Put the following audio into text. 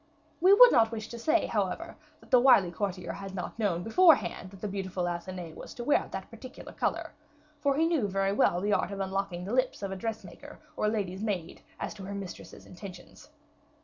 We would not wish to say, however, that the wily courtier had not know beforehand that the beautiful Athenais was to wear that particular color; for he very well knew the art of unlocking the lips of a dress maker or a lady's maid as to her mistress's intentions.